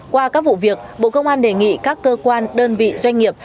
qua các vụ việc bộ công an đề nghị các cơ quan đơn vị doanh nghiệp